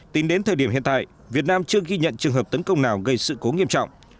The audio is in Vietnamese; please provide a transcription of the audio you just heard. tính đến thời điểm hiện tại việt nam chưa ghi nhận trường hợp tấn công nào gây sự cố nghiêm trọng